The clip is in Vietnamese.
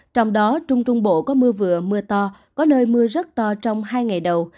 trong đó trung trung bộ có mưa vừa mưa to có nơi mưa rất to trong hai ngày đầu